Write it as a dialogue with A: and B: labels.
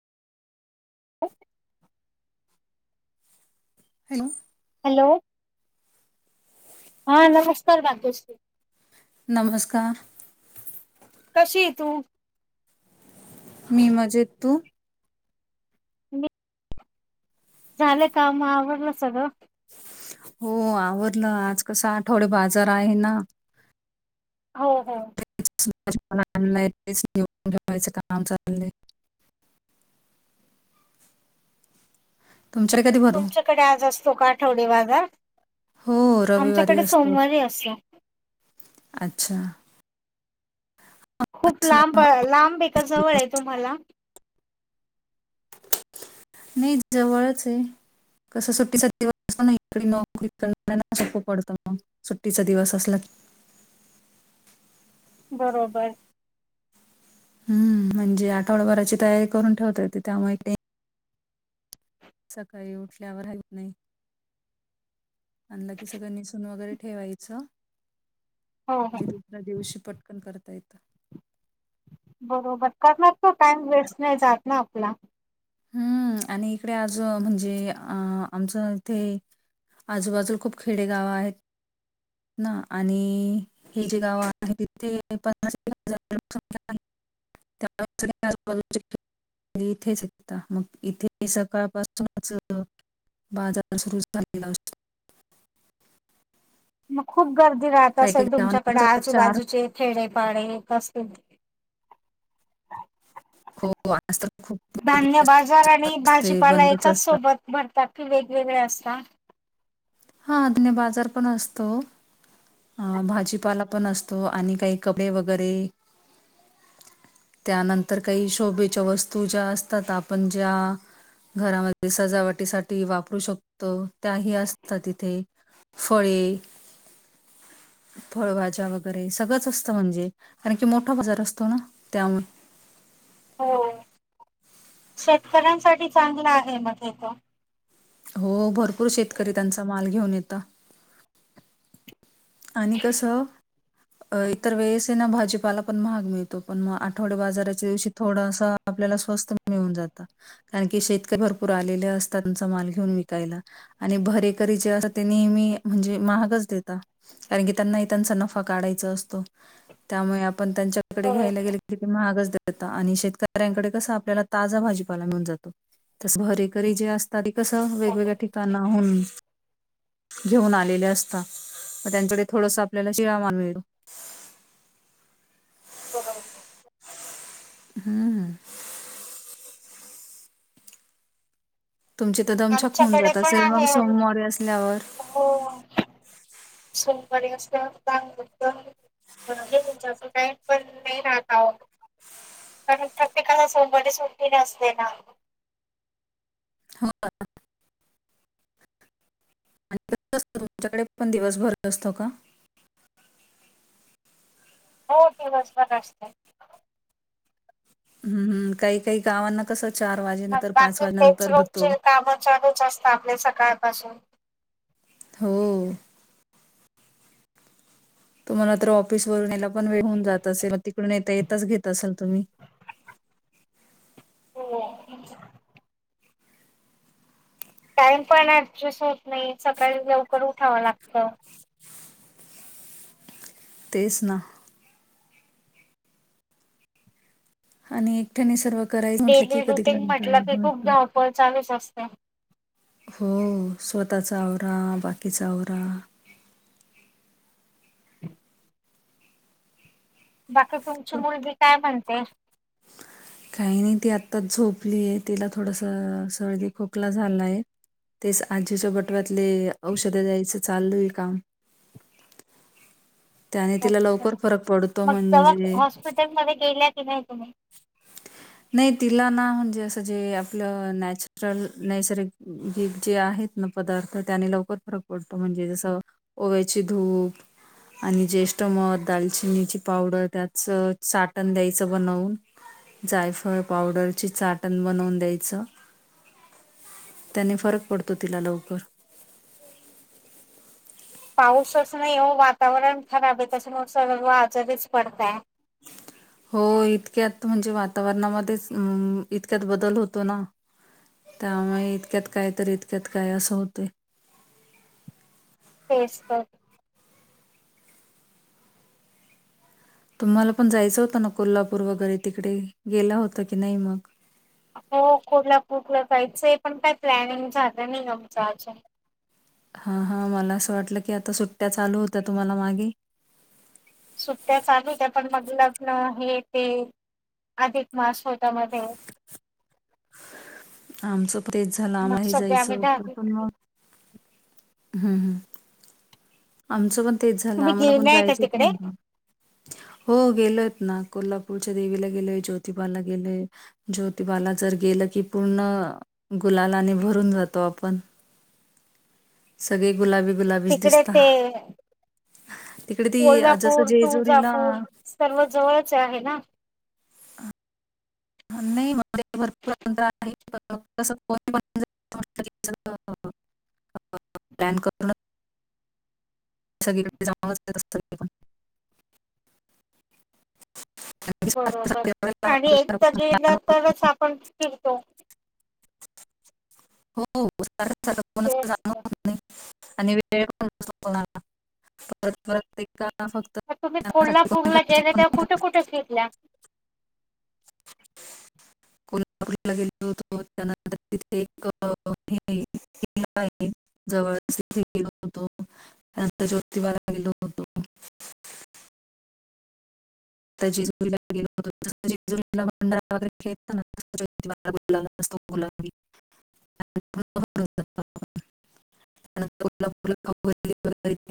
A: Hello,
B: hello. हा नमस्कार बांधूश्री.
A: नमस्कार.
B: कशी तू
A: मी म्हजेत तू?
B: मी झालं का म आवडलं सगळं.
A: हो आवडलं आज कस आठवडे बाजार आहे ना.
B: हो हो.
A: आणय ठेवायचं काम चालले.
B: [unintelligible]
A: तुमच्याकडे कधी भरतो
B: तुमच्याकडे आज असतो का आठवडी बाजार.
A: हो रविवारी
B: आमच्याकडे
A: असतो
B: सोमवारी असो.
A: अच्छा
B: खूप
A: कसं
B: लांब लांब एका जवळ आहे तुम्हाला.
A: नाही जवळच आहे. कस सुट्टीचा दिवस असला ना इक नोकरी कर ना सोपं पडतं मग सुट्टीचा दिवस असला.
B: बरोबर.
A: हम्म म्हणजे आठवडाभराची तयारी करून ठेवता येतु त्यामुळे का. सकाळी उठल्यावर राहीत नाही. आनलकी सगळं निसून वगैरे ठेवायचं.
B: हो हो
A: जे दुसऱ्या दिवशी पटकन करता येत.
B: बरोबर करणार तो टाइम वेस्ट नाही जात ना आपला
A: हम्म आणि इकडे आज म्हणजे अ आमचं इथे. आजूबाजू खूप खेडेगाव आहेत. ना आणि हे जे गाव आहे तिथे पनना हजार लोकसख्या. इथेच. आता मग इथे सकाळपासूनच बाजार सुरूच झालेला असतो
B: [inaudible] खूप गर्दी राहत
A: काही-काही
B: असेल
A: गावांना
B: तुमच्याकडे
A: कसं
B: आजूबाजूचे खेडेपाडे कसतील
A: हो, आज तर खूप गर्दी
B: धान्य
A: अस-
B: बाजार आणि
A: असते,
B: भाजीपाला
A: बंदच
B: एकाच
A: असतात.
B: सोबत भरतात की वेगवेगळे असतात
A: हा अधने बाजार पण असतो अं भाजीपाला पण असतो आणि काही कपडे वगैरे त्यानंतर काही शोभेच्या वस्तू ज्या असतात आपण ज्या घरामध्ये सजावटीसाठी वापरू शकतो त्याही अस त तिथे फळे फळभाज्या वगैरे सगळंच असतं म्हणजे कारण की मोठा बाजार असतो ना त्यामुळे
B: हो शेतकऱ्यांसाठी चांगलं आहे मग तर
A: हो भरपूर शेतकरी त्यांचा माल घेऊन येत आणि कस अ इतर वेळेस ना भाजीपाला पण महाग मिळतो पण मग आठवड्या बाजाराच्या दिवशी थोडासा आपल्याला स्वस्थ कार शेतकरी भरपूर आले असतात त्यां माल घेऊन विकायला आणि भरे ते नेहमी म्हणजे महागच दता कारण की त्यांनाही त्यांचा नफा काढायचा असतो त्यामुळे पण त्यांच्याकडे
B: होय
A: घ्यायला गेले महाग आणि शेतकऱ्यांकडे कस आपल्याला ताजा भाजीपाला मिळून जातो तस भरेकरी जे असतात ते कसं वेगवेगळ्या ठिकाणहून घेऊन आलेले असतात मग त्यांच्याकडे थोडस आपल्याला शिरामा मिळो
B: हो
A: हम्म ह तुमची तर दमछाक होऊन
B: आमच्याकडे
A: जात
B: पण
A: असेल मग
B: आहे
A: सोमवारी असल्यावर
B: हो सोमवारी असत काम करत तचा तो टाइम पण नाही राहता हो कारण प्रत्येकाला सोमवारी सुट्टी नसते ना
A: हा आणिसत तुमच्याकडे पण दिवसभर असतो का
B: हो दिवस बर असते
A: हम्म काही काही गावांना कसं चार
B: मग
A: वाजेनंतर पाच
B: बाकी तेच
A: वाजेनंतर भरतो
B: रोजचे कामं चालूच असत आपले सकाळपासून
A: हो तुम्हाला तर ऑफिस वरूनला पण वे होऊ जात असेल तिकडून येता येताच घेत असाल तुम्ही
B: हो टाइम पण जस होत नाही सकाळी लवकर उठाव लागत
A: तेच ना आणि एकठ्याणी सर्व करायच म्हटलं
B: डेली
A: की कधी ग
B: रुटीन म्हटलं की खूप
A: का
B: धावपळ चालूच असते
A: हो स्वतःचा आवरा बाकीचा आवरा
B: बाकी तुमची मुलगी काय म्हणते
A: काही नाही ती आत्ताच झोपलीय तिला थोडासा सळदी खोकला झालाय तेच आजीच्या बटवातले औषधे द्यायचं चाललय आहे काम त्याने तिला
B: अच्छा
A: लवकर फरक पडतो
B: मग जव
A: म्हणजे
B: हॉस्पिटलमध्येध्ये गेल्या की नाही तुम्ही
A: नाही तिला ना म्हणजे असं जे आ आहेत ना पदार्थ त्याने लवकर फरक पडतो म्हणजे जसं ओव्याची धूप आणि ज्येष्ठ मध दालचिनीची पावडर त्याच चाटण द्यायचं बनवून जायफळ पावडरची चाटण बनवून द्यायचं. त्यांनी फरक पडतो तिला लवकर
B: पाऊसच नाही हो वातावरण खराब आहे तसं न सर्व आजारीच पडताय [inaudible]
A: हो इतक्यात म्हणजे वातावरणामध्येच इतक्यात बदल होतो ना त्यामुळे इतक्यात काय तर इतक्यात काय असं होतंय.
B: तेच तर
A: तुम्हाला पण जायचं होतं ना कोल्हापूर वगैरे तिकडे गेला होता की नाही मग
B: हो कुठला कुठलं जायचंय पण काय प्लॅनिंग झालं नाही आमच आजुन
A: हा हा मला असं वाटलं की आता सुट्ट्या चालू होत्या तुम्हाला मागे
B: सुट्ट्या चालू होत्या पण मग लग्न हे ते, अधिक मास होता मध्ये
A: आमचं तेच झालं
B: मग
A: आम्हाही
B: सगळे आम्ही
A: जायचं तर
B: दहावी
A: पण मग हम्म हम्म आमचं पण तेच झालं
B: तुम्ही
A: आम्हाला पण
B: गेलाय का
A: जायचं
B: तिकडे?
A: होत [unintelligible] हो गेलो ना कोल्हापूरच्या देवीला गेलय ज्योतिबाला गेलय ज्योतिबाला जर गेलं की पूर्ण गुलालाने भरून जातो आपण सगळे गुलाबी गुलाबीच
B: तिकडे
A: दिसता
B: ते
A: तिकडे ती जसं
B: कोल्हापूर,
A: जेजुरीला
B: तुळजापूर सर्व जवळचे आहे ना.
A: [unintelligible] [unintelligible] [unintelligible] कारण की सारखं सारखं एवढ्या
B: बरोबर
A: लांब
B: आणि
A: आपल्याला
B: एकदा
A: घरापासून
B: गेलं
A: जाणं होत
B: तरच
A: नाही.
B: आपण फिरतो. तेच तर.
A: [unintelligible] [unintelligible]
B: तुम्ही
A: जाण्यासाठी कोणी
B: कोल्हापूरला
A: खर्च
B: गेलेल्या
A: पण
B: तेव्हा
A: नाही
B: कुठं
A: करत.
B: कुठे फिरल्या [inaudible]
A: कोल्हापूरला गेल होतो त्यानंतर तिथे [unintelligible] त्यांच ज्योतिबाला गेलो होतो.
B: [inaudible]
A: [unintelligible] [unintelligible] [unintelligible]